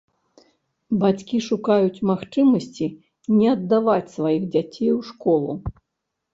Бацькі шукаюць магчымасці не аддаваць сваіх дзяцей у школу.